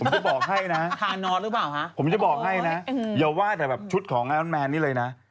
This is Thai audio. ผมจะบอกให้นะผมจะบอกให้นะอย่าว่าแต่แบบชุดของไออันแมนนี่เลยนะ